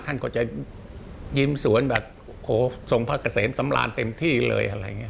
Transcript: ท่านก็จะยิ้มสวนแบบโหทรงพระเกษรศัมราณเต็มที่เลย